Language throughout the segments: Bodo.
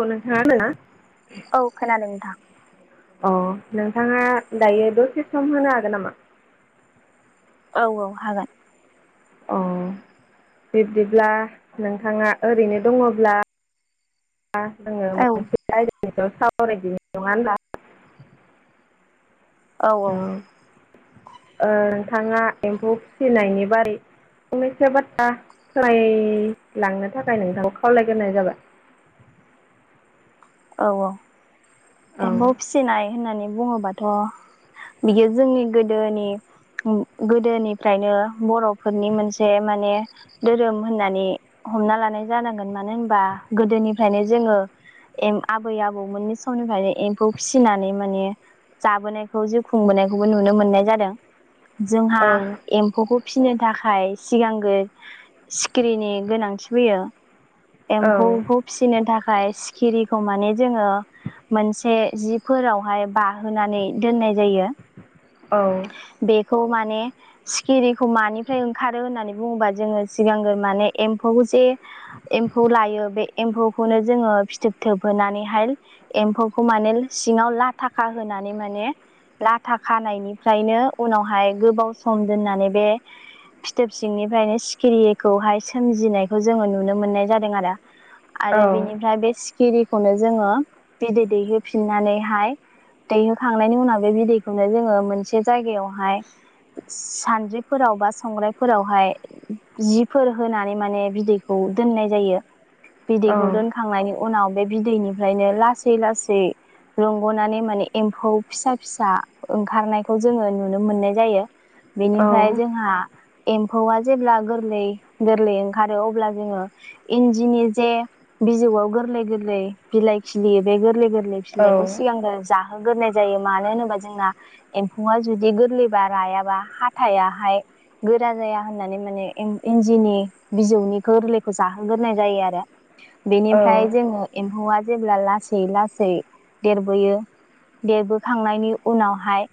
औ नोंथांआ [unintelligible] ना औ खोनादो नोंथां। अ नोंथाङा दायो दसे सम होनो हागोन नामा? औ औ हागोन अ बिब्दिब्ला नोंथाङा ओरैनो दङ'ब्ला आ जोङो मोनसे औ आायदानि सायाव सावरायदिनि नङा होनबा औ ओ नोंथाङा एम्फौ फिसिनायनि बारै फंनैस बाथ्रा सोलायलांनो थाखाय नोंथांखौ खावलायग्रोनाय जाबाय। औ औ। औ एम्फौ फिसिनाय होननानै बुङोबाथ' बियो जोंनि गोदोनि गोदोनिफ्रायनो बर'फोरनि मोनसे माने दोरोम होननानै हमना लानाय जानांगोन मानो ओनबा गोदोनिफ्रायनो जोङो एम आबै आबौमोननि समनिफ्रायनो एम्फौ फिसिनानै माने जाबोनायखौ जिउ खुंबोनायखौबो नुनो मोननाय जादों जोंहा औ एम्फौखौ फिसिनो थाखाय सिगांगो सिखिरिनि गोनांथि फैयो। औ एम्फौखौ फिसिनो थाखाय सिखिरिखौ माने जोङो मोनसे जिफोरावहाय बाहोनानै दोननाय जायो। औ बेखौ माने सिखिरिखौ मानिफ्राय ओंखारो होननानै बुङोबा जोङो सिगांग्रो माने एम्फौ जे एम्फौ लायो बे एम्फौखौनो जोङो फिथोब थोबहोनानैहाय एम्फौखौ माने सिङाव लाथा खाहोनानै माने लाथा खानायनिफ्रायनो उनावहाय गोबाव सम दोननानै बे फिथोब सिंनिफ्रायनो सिखिरिखौहाय सोमजिनायखौ जोङो नुनो मोननाय जादों आरो आरो बिनिफ्राय बे सिखिरिखौनो जोङो बिदै दैहोफिननानैहाय दैहोखांनायनि उनाव बे बिदैखौनो जोङो मोनसे जायगायावहाय सानद्रिफोराव बा संग्रायफोरावहाय जि फोर होनानै माने बिदैखौ दोननाय जायो। औ बिदैखौ दोनखांनायनि उनाव बे बिदैनिफ्रायनो लासै लासै रंग'नानै माने एम्फौ फिसा फिसा ओंखारनायखौ जोङो नुनो मोननाय जायो। औ बेनिफ्राय जोंहा एम्फौआ जेब्ला गोरलै गोरलै ओंखारो अब्ला जोङो इन्दिनि जे बिजौआव गोरलै गोरलै बिलाइ खिलियो बे गोरलै गोरलै फिलायखौ सिगांनो जाहोगोनाय जायो मानो ओनोबा जोंना एम्फौआ जुदि गोरलैबा रायाबा हाथायाहाय गोरा जाया होननानै माने इन-इन्दिनि बिजौनिखौ गोरलैखौ जाहोग्रोनाय जायो आरो। बेनिफ्राय जोङो एम्फौआ जेब्ला लासै लासै देरबोयो देरबोखांनायनि उनावहाय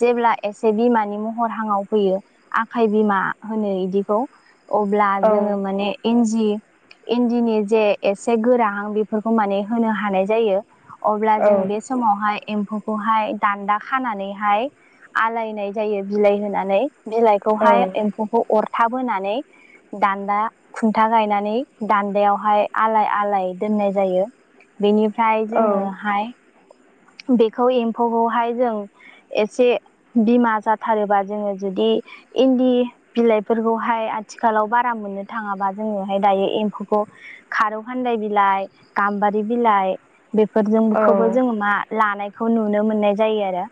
जेब्ला एसे बिमानि महर हाङाव फैयो आखाइ बिमा होनो इदिखौ अब्ला जोङो माने इन्जि इन्दिनि जे एसे गोराहां बेफोरखौ माने होनो हानाय जायो। अब्ला जोङो बे समावहाय एम्फौखौहाय दान्दा खानानैहाय आलायनाय जायो बिलाइ होनानै औ बिलाइखौहाय एम्फौखौ अरथाब होनानै दान्दा खुन्था गायनानै दान्दायावहाय आलाय आलाय दोननाय जायो बेनिफ्राय औ जोङोहाय बेखौ एम्फौखौहाय जों एसे बिमा जाथारोबा जोङो जुदि इन्दि बिलाइफोरखौहाय आथिखालाव बारा मोननो थाङाबा जोङोहाय दायो एम्फौखौ खारौ खान्दाय बिलाइ गाम्बारि बिलाइ औ बेफोरजोंखौबो जों मा लानायखौ नुनो मोननाय जायो आरो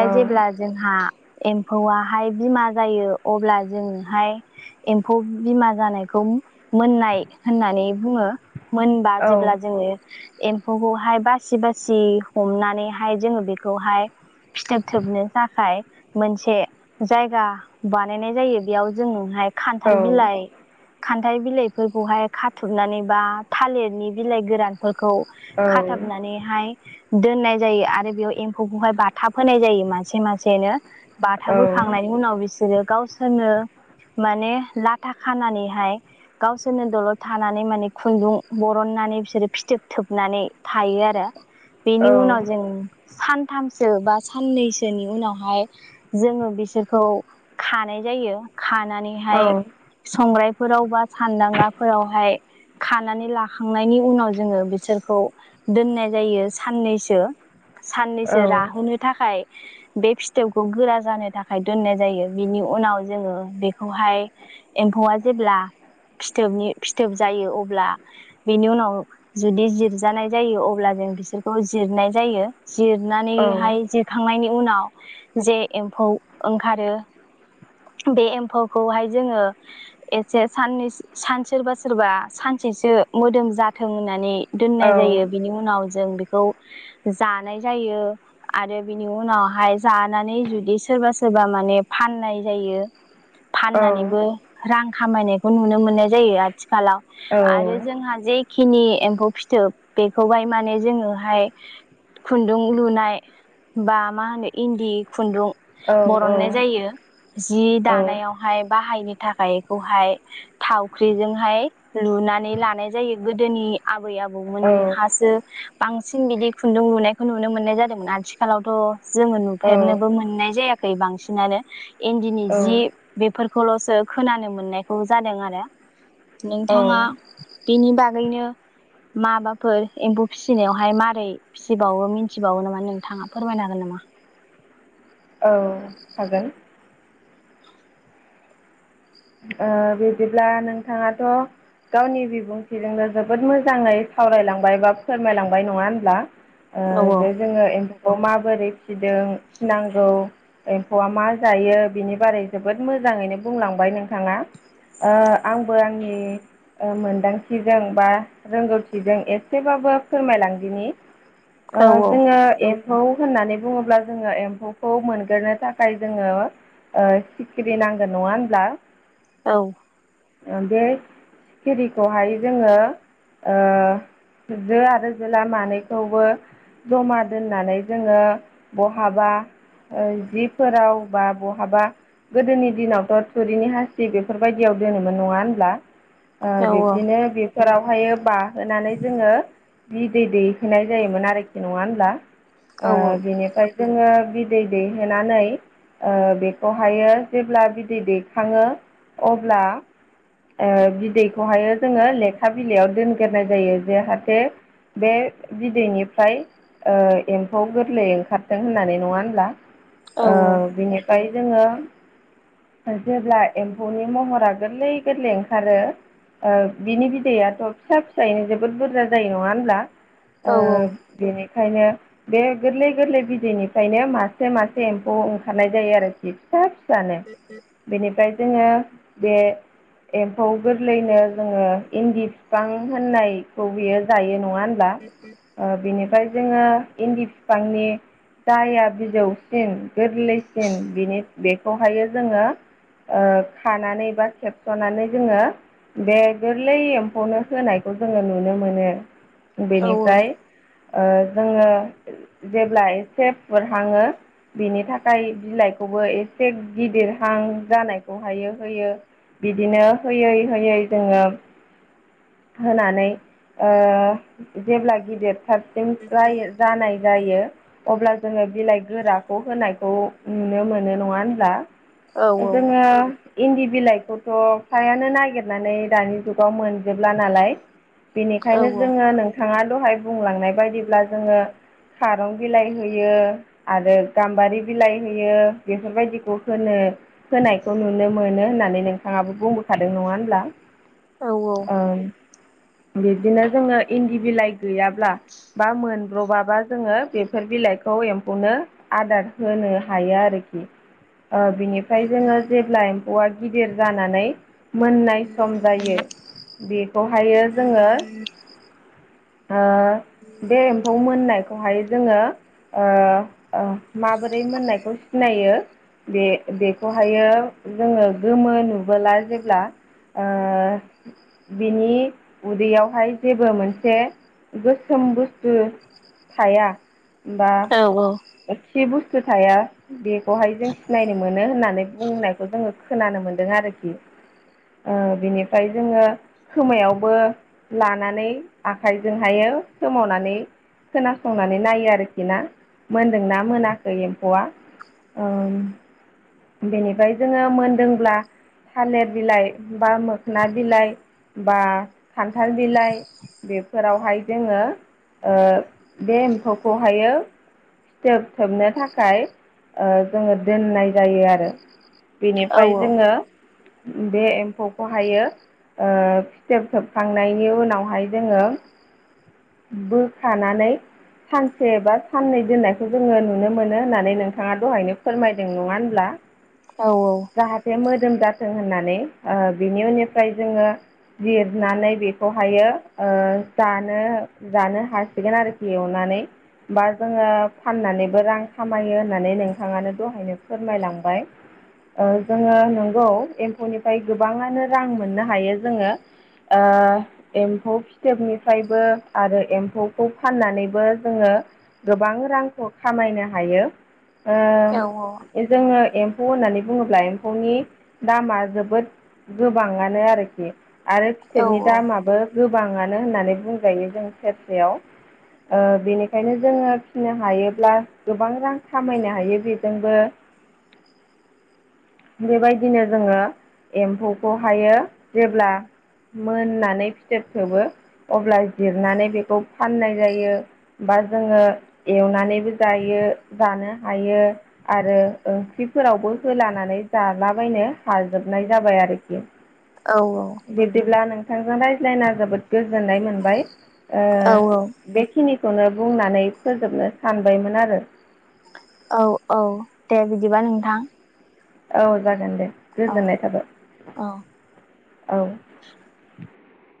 औ जेब्ला जोंहा एम्फौआहाय बिमा जायो अब्ला जोंहाय एम्फौ बिमा जानायखौ मोननाय होननानै बुङो मोनबा जेब्ला जोङो एम्फौखौहाय बासि बासि हमनानैहाय जोङो बेखौहाय फिथोब थोबनो थाखाय मोनसे जायगा बानायनाय जायो बेयाव जोंनोहाय खान्थाल बिलाइ खान्थाइ बिलाइफोरखौहाय खाथबनानै बा थालिरनि बिलाइ गोरान खौ औ खाथाबनानैहाय दोननाय जायो आरो बेयाव एम्फौखौहाय बाथाब होनाय जायो मासे मासेनो बाथाब होखांनायनि उनाव बिसोरो गावसोरनो माने लाथा खानानैहाय गावसोरनो दलर थानानै माने खुन्दुं बरननानै बिसोर फिथोब थोबनानै थायो आरो बेनि उनाव जों सानथामसो बा साननैसोनि उनावहाय जोङो बिसोरखौ खानाय जायो खानानैहाय संग्रायफोराव बा सानदांगाफोरावहाय खानानै लाखांनायनि उनाव जोङो बिसोरखौ दोननाय जायो साननैसो साननैसो राहोनो थाखाय बे फिथोबखौ गोरा जानो थाखाय दोननाय जायो बिनि उनाव जोङो बेखौहाय एम्फौआ जेब्ला फिथोबनि फिथोब जायो अब्ला बेनि उनाव जुदि जिरजानाय जायो अब्ला जों बिसोरखौ जिरनाय जायो औ जिरनानैहाय जि खांनायनि उनाव जे एम्फौ ओंखारो बे एम्फौखौहाय जोङो एसे साननै सान सोरबा सोरबा सानसेसो मोदोम जाथों होननानै नै दोननाय जायो बिनि उनाव जों बेखौ जानाय जायो। आरो बिनि उनावहाय जानानै जुदि सोरबा सोरबा माने फाननाय जायो। [inaudible] फाननानैबो रां खामायनायखौ नुनो मोननाय जायो आथिखालाव आरो जोंहा जे खिनि एम्फौ फिथोब बेखौहाय माने जोङोहाय खुन्दुं लुनाय बा मा होनो इन्दि खुन्दुं बरननाय जायो जि दानायावहाय बाहायनो थाखाय बेखौहाय थावख्रिजोंहाय लुनानै लानाय जायो गोदोनि आबै आबौमोनहासो बांसिन बिदि खुन्दुं लुनायखौ नुनो मोननाय जादोंमोन आथिखालावथ' जोङो नुफेरनोबो मोननाय जायाखै बांसिनानो इन्दिनि जि बेफोरखौल'सो खोनानो मोननायखौ जादों आरो औ नोंथाङा बिनि बागैनो माबाफोर एम्फौ फिसिनायावहाय मारै फिसिबावो मिन्थिबावो नामा नोंथाङा फोरमायनो हागोन नामा‌? औ हागोन। ओ बिदिब्ला नोंथाङाथ' गावनि बिबुंथिजोंनो जोबोद मोजाङै सावरायलांबाय बा फोरमायलांबाय नङा होनब्ला? ओ‌ औ बे जोङो एम्फौखौ माबोरै फिदों फिनांगौ एम्फौआ मा जायो बिनि बारै जोबोद मोजाङैनो बुंलांबाय नों थाङा ओ आंबो आंनि ओ मोनदांथिजों बा रोंगौथिजों एसेबाबो फोरमायलांदिनि ओ औ जोङो एम्फौ होननानै बुङोब्ला जोङो एम्फौखौ मोनग्रोनो थाखाय जोङो ओ सिखिरि नांगोन नङा होनब्ला? औ ओ बे सिखिरिखौहाय जोङो ओ जो आरो जोला मानैखौबो जमा दोननानै जोङो बहाबा ओ जिफोराव बा बहाबा गोदोनि दिनावथ' थुरिनि हास बेफोरबायदियाव दोनोमोन नङा होनब्ला? ओ औ बिब्दिनो बे रावहायो बाहोनानै जोङो बिदै दैहोनाय जायोमोन आरोखि। नङा होनब्ला? औ ओ बिनिफ्राय जोङो बिदै दैहोनानै ओ बेखौहायो जेब्ला बिदै दैखाङो अब्ला ओ बिदैखौहाय जोङो लेखा बिलाइयाव दोनग्रोनाय जायो जाहाथे बे बिदैनिफ्राय ओ एम्फौ गोरलै ओंखारदों होननानै नङा होनब्ला? औ ओ बिनिफ्राय जोङो जेब्ला एम्फौनि महरा गोरलै गोरलै ओंखारो ओ बिनि बिदैयाथ' फिसा फिसायैनो जोबोद बुरजा जायो नङा होनब्ला। औ ओ बेनिखायनो बे गोरलै गोरलै बिदैनिफ्रायनो मासे मासे एम्फौ ओंखारनाय जायो आरोखि फिसा फिसानो। [inaudible] बेनिफ्राय जोङो बे एम्फौ गोरलैनो जोङो इन्दि बिफां होननायखौ बियो जायो नङा होन ल्बा बेनिफ्राय जोङो इन्दि बिफांनि जाया बिजौसिन गोरलैसिन बिनि बेखौहाय जोङो खानानै बा खेबस'नानै जोङो बे गोरलै एम्फौनो होनायखौ जोङो नुनो मोनो। औ बेनिफ्राय ओ जोङो जेब्ला एसे फुरहांङो बिनि थाखाय बिलाइखौबो एसे गिदिरहां जानायखौहाय होयो। बिदिनो होयै होयै जोङो होनानै ओ जेब्ला गिदिरथारसिम जायो जानाय जायो अब्ला जोङो बिलाइ गोराखौ होनायखौ नुनो मोनो। नङा होनब्ला? औ जोङो इन्दि बिलाइखौथ' फ्रायानो नागिरनानै दानि जुगाव मोन जोबला नालाय बेनिखायनो जोङो नोंथाङा दहाय बुंलांनाय बायदिब्ला जोङो खारं बिलाइ होयो आरो गाम्बारि बिलाइ होयो। बेफोरबायदिखौ होनो होनायखौ नुनो मोनो होननानै नोंथाङाबो बुंबोखादों। नङा होनब्ला? औ औ। बिबदिनो जोङो इन्दि बिलाइ गैयाब्ला बा मोनब्र'बाबा जोङो बेफोर बिलाइखौ एम्फौनो आदार होनो हायो आरोखि‌। ओ बिनि ओमफ्राय जोङो जेब्ला एम्फौआ गिदिर जानानै मोननाय सम जायो बेखौहायो जोङो बे एम्फौ मोननाय खौहाय जोङो ओ ओ माबोरै मोननायखौ सिनायो बे बेखौहायो जोङो गोमो नुबोला जेब्ला ओ बिनि उदैयावहाय जेबो मोनसे गोसोम बुस्थु थाया बा खि बुस्थु थाया बेखौहाय जों सिनायनो मोनो होननानै बुंनायखौ जोङो खोनानो मोनदों आरोखि ओ बिनिफ्राय जोङो खोमायावबो लानानै आखाइजोंहायो सोमावनानै खोनासंनानै नायो आरोखि ना मोनदोंना मोनाखै एम्फौआ ओ बेनिफ्राय जोङो मोनदोंब्ला थालिर बिलाइ बा मोखना बिलाइ बा खान्थाल बिलाइ बेफोरावहाय जोङो बे एम्फौखौहायो फिथोब थोबनो थाखाय जोङो दोननाय जायो आरो बेनिफ्राय जोङो बे एम्फौखौहायो ओ फिथोब थोबखांनायनि उनावहाय जोङो बोखानानै सानसे बा साननै दोननायखौ जोङो नुनो मोनो होननानै नोंथाङा दहायनो फोरमायदों नङा होनब्ला [inaudible] औ औ। जाहाथे मोदोम जाथों होननानै बिनि उननिफ्राय जोङो जिरनानै बेखौहायो ओ जानो जानो हासिगोन आरोखि एवनानै। बा जोङो फाननानैबो रां खामायो होननानै नोंथाङानो दहायनो फोरमायलांबाय। ओ जोङो नंगौ एम्फौनिफ्राय गोबाङानो रां मोननो हायो जोङो। ओ एम्फौ फिथोबनिफ्रायबो आरो एम्फौखौ फाननानैबो जोङो गोबां रांखौ खामायनो हायो जोङो एम्फौ होननानै बुङोब्ला एम्फौनि दामा जोबोद गोबाङानो आरोखि आरो फिथोबनि दामाबो गोबाङानो होननानै बुंजायो जों सेरसेयाव बेनिखायनो जोङो फिनो हायोब्ला गोबां रां खामायनो हायो बेजोंबो [inaudible] बेबायदिनो जोङो एम्फौखौहायो जेब्ला मोननानै फिथोब थोबो अब्ला जिरनानै बेखौ फाननाय जायो बा जोङो एवनानैबो जायो जानो हायो आरो ओंख्रिफोरावबो होलानानै जालाबायनो हाजोबनाय जाबाय आरोखि औ औ बिदिब्ला नोंथांजों रायज्लायना जोबोद गोजोननाय मोनबाय औ बेखिनिखौनो बुंनानै फोजोबनो सानबायमोन आरो औ औ दे बिदिबा नोंथां औ जागोन दे औ गोजोननाय थाबाय औ औ